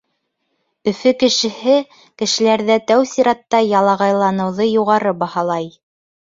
Өфө кешеһе кешеләрҙә тәү сиратта ялағайланыуҙы юғары баһалай.